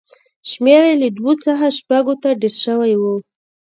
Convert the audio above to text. شمېر یې له دوو څخه شپږو ته ډېر شوی و